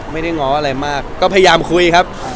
ง้ออะไรมากก็พยายามคุยครับ